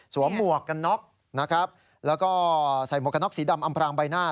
หมวกกันน็อกนะครับแล้วก็ใส่หมวกกันน็อกสีดำอำพรางใบหน้า